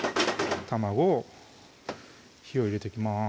卵を火を入れていきます